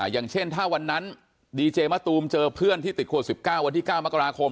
อย่างเช่นถ้าวันนั้นดีเจมะตูมเจอเพื่อนที่ติดโควิด๑๙วันที่๙มกราคม